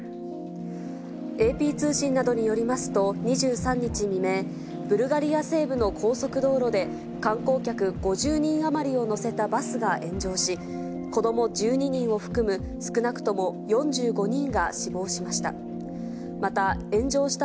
ＡＰ通信などによりますと、２３日未明、ブルガリア西部の高速道路で、観光客５０人余りを乗せたバスが炎上し、子ども１２人を含む、少なくとも４５人が死亡しました。